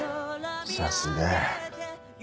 さすがや。